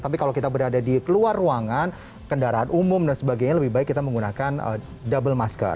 tapi kalau kita berada di luar ruangan kendaraan umum dan sebagainya lebih baik kita menggunakan double masker